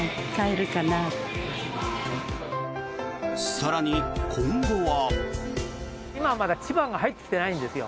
更に、今後は。